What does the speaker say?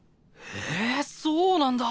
へえそうなんだ。